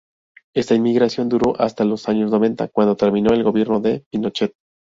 Esta migración duró hasta los años noventa, cuando terminó el gobierno de Pinochet.